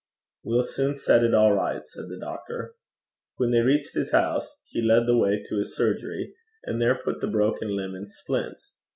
'We'll soon set it all right,' said the doctor. When they reached his house he led the way to his surgery, and there put the broken limb in splints.